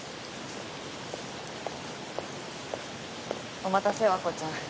お待たせ和子ちゃん。